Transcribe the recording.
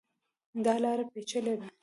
دا لاره پېچلې ده.